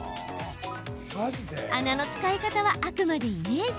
穴の使い方は、あくまでイメージ。